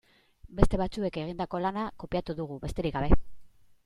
Beste batzuek egindako lana kopiatu dugu, besterik gabe.